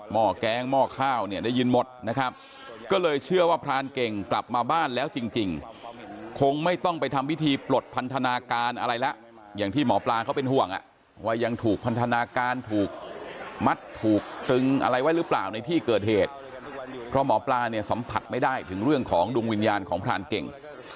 ห้อแก๊งหม้อข้าวเนี่ยได้ยินหมดนะครับก็เลยเชื่อว่าพรานเก่งกลับมาบ้านแล้วจริงคงไม่ต้องไปทำพิธีปลดพันธนาการอะไรแล้วอย่างที่หมอปลาเขาเป็นห่วงว่ายังถูกพันธนาการถูกมัดถูกตึงอะไรไว้หรือเปล่าในที่เกิดเหตุเพราะหมอปลาเนี่ยสัมผัสไม่ได้ถึงเรื่องของดวงวิญญาณของพรานเก่ง